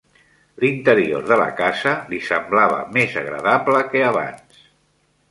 L'interior de la casa li semblava més agradable que abans.